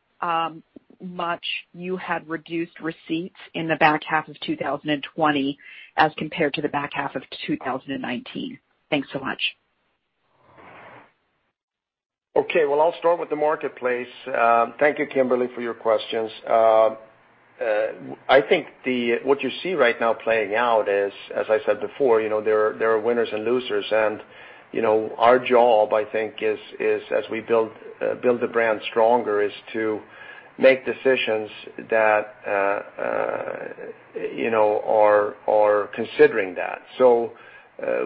S13: much you have reduced receipts in the back half of 2020 as compared to the back half of 2019? Thanks so much.
S3: Okay. Well, I'll start with the marketplace. Thank you, Kimberly, for your questions. I think what you see right now playing out is, as I said before, there are winners and losers. Our job, I think is as we build the brand stronger, is to make decisions that are considering that.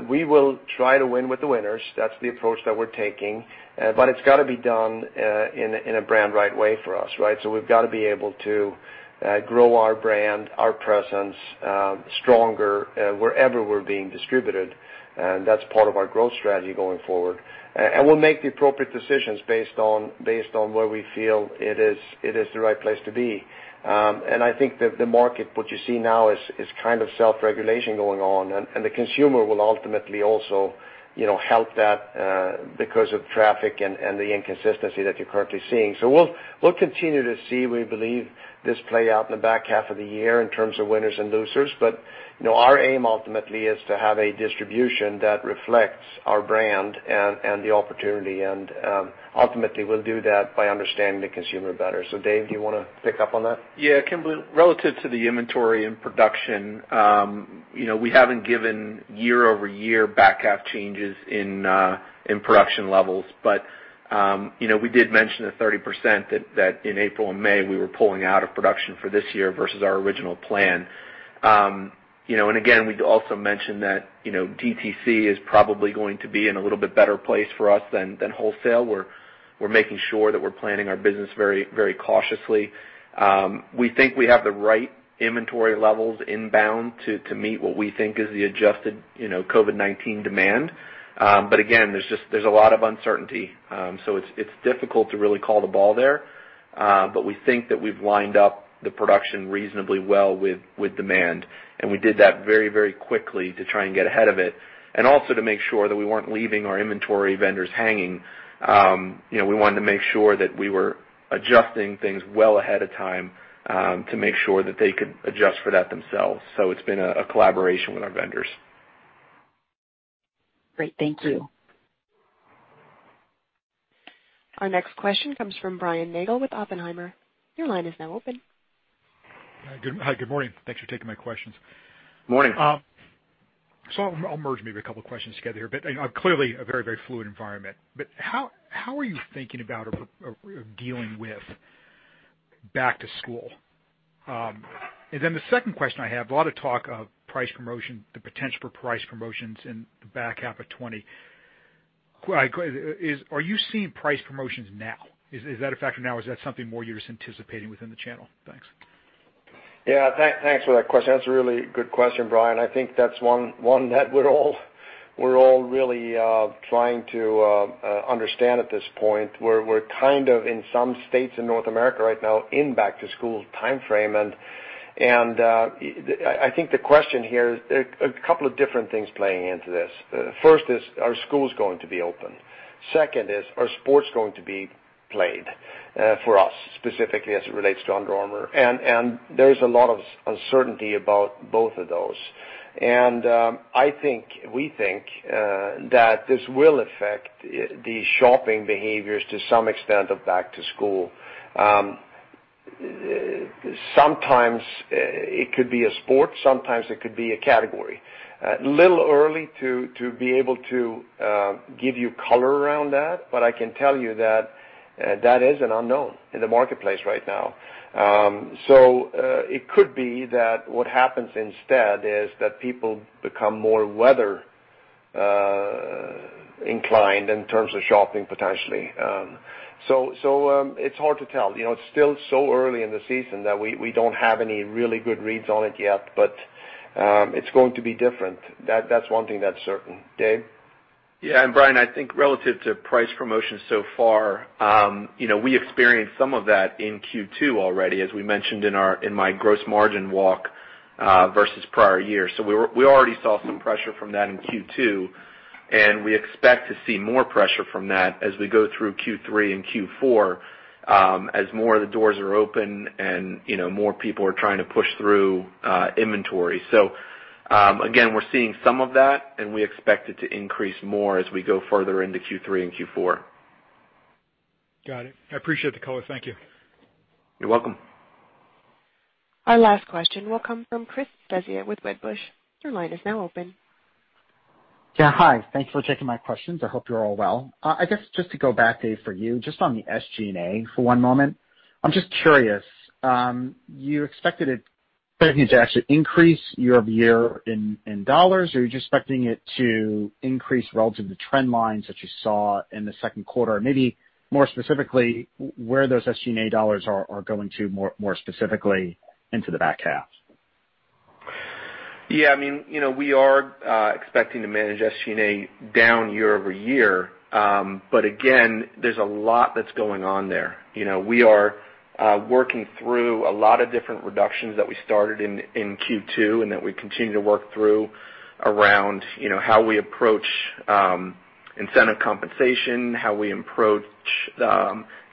S3: We will try to win with the winners. That's the approach that we're taking. It's got to be done in a brand right way for us, right? We've got to be able to grow our brand, our presence, stronger wherever we're being distributed, and that's part of our growth strategy going forward. We'll make the appropriate decisions based on where we feel it is the right place to be. I think that the market, what you see now is self-regulation going on. The consumer will ultimately also help that, because of traffic and the inconsistency that you're currently seeing. We'll continue to see, we believe, this play out in the back half of the year in terms of winners and losers. Our aim ultimately is to have a distribution that reflects our brand and the opportunity. Ultimately, we'll do that by understanding the consumer better. Dave, do you want to pick up on that?
S4: Yeah, Kimberly, relative to the inventory and production, we haven't given year-over-year back half changes in production levels. We did mention the 30% that in April and May, we were pulling out of production for this year versus our original plan. Again, we also mentioned that DTC is probably going to be in a little bit better place for us than wholesale. We're making sure that we're planning our business very cautiously. We think we have the right inventory levels inbound to meet what we think is the adjusted COVID-19 demand. Again, there's a lot of uncertainty. It's difficult to really call the ball there. We think that we've lined up the production reasonably well with demand. We did that very quickly to try and get ahead of it, and also to make sure that we weren't leaving our inventory vendors hanging. We wanted to make sure that we were adjusting things well ahead of time, to make sure that they could adjust for that themselves. It's been a collaboration with our vendors.
S13: Great. Thank you.
S1: Our next question comes from Brian Nagel with Oppenheimer. Your line is now open.
S14: Hi, good morning. Thanks for taking my questions.
S3: Morning.
S14: I'll merge maybe a couple of questions together here. Clearly a very fluid environment. How are you thinking about or dealing with back to school? The second question I have, a lot of talk of price promotion, the potential for price promotions in the back half of 2020. Are you seeing price promotions now? Is that a factor now, or is that something more you're just anticipating within the channel? Thanks.
S3: Yeah. Thanks for that question. That's a really good question, Brian. I think that's one that we're all really trying to understand at this point. We're in some states in North America right now in back to school timeframe. I think the question here, a couple of different things playing into this. First is, are schools going to be open? Second is, are sports going to be played, for us, specifically as it relates to Under Armour? There's a lot of uncertainty about both of those. We think that this will affect the shopping behaviors to some extent of back to school. Sometimes it could be a sport, sometimes it could be a category. A little early to be able to give you color around that. I can tell you that that is an unknown in the marketplace right now. It could be that what happens instead is that people become more weather inclined in terms of shopping potentially. It's hard to tell. It's still so early in the season that we don't have any really good reads on it yet, but it's going to be different. That's one thing that's certain. Dave?
S4: Yeah. Brian, I think relative to price promotion so far, we experienced some of that in Q2 already, as we mentioned in my gross margin walk, versus prior years. We already saw some pressure from that in Q2, and we expect to see more pressure from that as we go through Q3 and Q4, as more of the doors are open and more people are trying to push through inventory. Again, we're seeing some of that, and we expect it to increase more as we go further into Q3 and Q4.
S14: Got it. I appreciate the color. Thank you.
S4: You're welcome.
S1: Our last question will come from Chris Svezia with Wedbush. Your line is now open.
S15: Yeah. Hi. Thanks for taking my questions. I hope you're all well. I guess just to go back, Dave, for you, just on the SG&A for one moment. I'm just curious, you expected it to actually increase year-over-year in dollars, or are you just expecting it to increase relative to trend lines that you saw in the second quarter? Maybe more specifically, where those SG&A dollars are going to more specifically into the back half.
S4: Yeah. We are expecting to manage SG&A down year-over-year. Again, there's a lot that's going on there. We are working through a lot of different reductions that we started in Q2 and that we continue to work through around how we approach incentive compensation, how we approach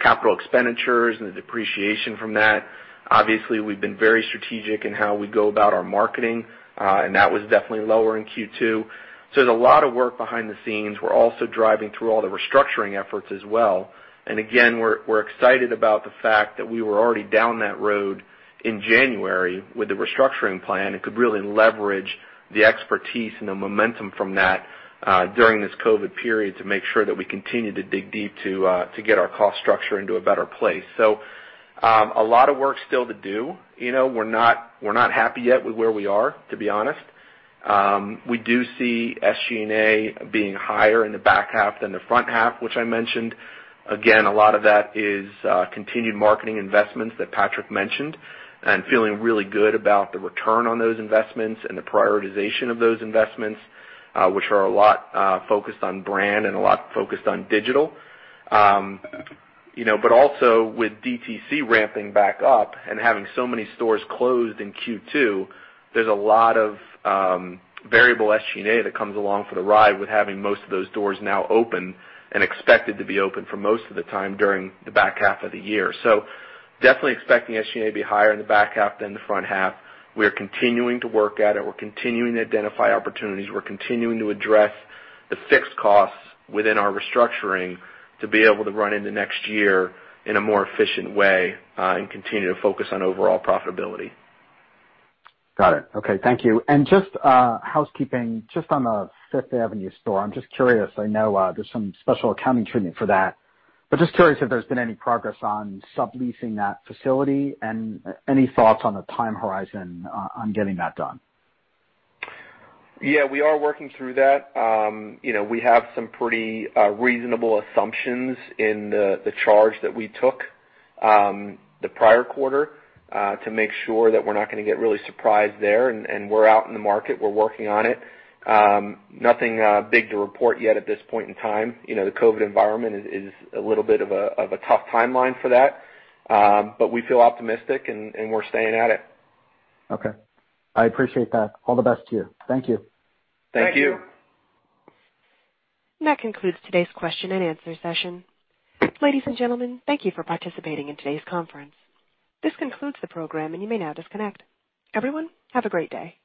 S4: capital expenditures and the depreciation from that. Obviously, we've been very strategic in how we go about our marketing. That was definitely lower in Q2. There's a lot of work behind the scenes. We're also driving through all the restructuring efforts as well. Again, we're excited about the fact that we were already down that road in January with the restructuring plan and could really leverage the expertise and the momentum from that during this COVID-19 period to make sure that we continue to dig deep to get our cost structure into a better place. A lot of work still to do. We're not happy yet with where we are, to be honest. We do see SG&A being higher in the back half than the front half, which I mentioned. A lot of that is continued marketing investments that Patrik mentioned, and feeling really good about the return on those investments and the prioritization of those investments, which are a lot focused on brand and a lot focused on digital. Also with DTC ramping back up and having so many stores closed in Q2, there's a lot of variable SG&A that comes along for the ride with having most of those doors now open and expected to be open for most of the time during the back half of the year. Definitely expecting SG&A to be higher in the back half than the front half. We are continuing to work at it. We're continuing to identify opportunities. We're continuing to address the fixed costs within our restructuring to be able to run into next year in a more efficient way, and continue to focus on overall profitability.
S15: Got it. Okay. Thank you. Just housekeeping, just on the Fifth Avenue store, I'm just curious, I know there's some special accounting treatment for that, but just curious if there's been any progress on subleasing that facility and any thoughts on the time horizon on getting that done?
S4: Yeah, we are working through that. We have some pretty reasonable assumptions in the charge that we took the prior quarter, to make sure that we're not going to get really surprised there. We're out in the market. We're working on it. Nothing big to report yet at this point in time. The COVID environment is a little bit of a tough timeline for that. We feel optimistic and we're staying at it.
S15: Okay. I appreciate that. All the best to you. Thank you.
S4: Thank you.
S1: That concludes today's question and answer session. Ladies and gentlemen, thank you for participating in today's conference. This concludes the program, and you may now disconnect. Everyone, have a great day.